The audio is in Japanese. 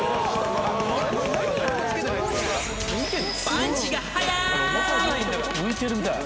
［パンチがはやい！］